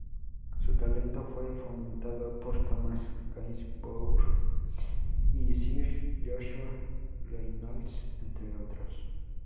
Su talento fue fomentado por Thomas Gainsborough y Sir Joshua Reynolds, entre otros.